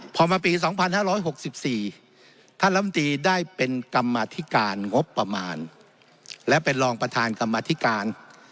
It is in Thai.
พอมาปี๒๕๖๔ท่านลำตีได้เป็นกรรมธิการงบประมาณและเป็นรองประธานกรรมธิการ